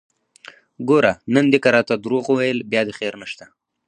ګوره نن دې که راته دروغ وويل بيا دې خير نشته!